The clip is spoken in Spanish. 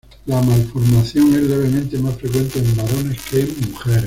La malformación es levemente más frecuente en varones que en mujeres.